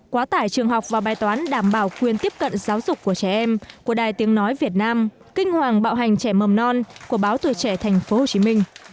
quá tải trường học vào bài toán đảm bảo quyền tiếp cận giáo dục của trẻ em của đài tiếng nói việt nam kinh hoàng bạo hành trẻ mầm non của báo tuổi trẻ tp hcm